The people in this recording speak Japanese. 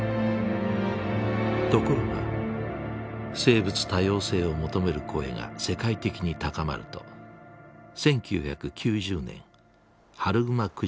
ところが生物多様性を求める声が世界的に高まると１９９０年春グマ駆除は廃止。